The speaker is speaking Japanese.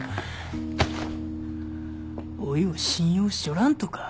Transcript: おいを信用しちょらんとか？